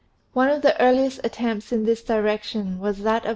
One of the earliest attempts in this direction was that of M.